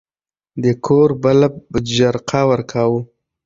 د کور بلب جرقه ورکاوه.